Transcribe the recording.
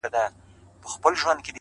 ساده فکر ژور سکون راولي